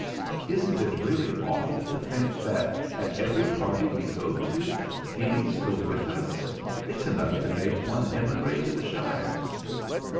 Isn't it really awful to think that at every party we go to thieves go with us? It's enough to make one emigrate to the shires.'